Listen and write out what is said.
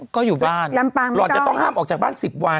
ก็อยู่บ้านลำปางหล่อนจะต้องห้ามออกจากบ้าน๑๐วัน